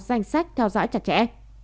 danh sách theo dõi chặt chẽ